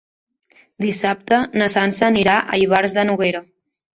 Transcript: Dissabte na Sança anirà a Ivars de Noguera.